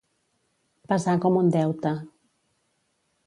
Pesar com un deute.